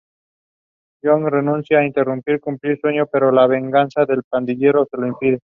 Ji-wook renuncia e intenta cumplir sueño, pero la venganza del pandillero se lo impide.